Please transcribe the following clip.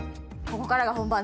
ここからが本番！